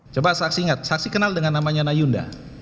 coba saksi ingat saksi kenal dengan namanya nayunda